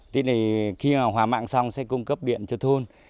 thế này khi mà hòa mạng xong sẽ cung cấp điện cho thôn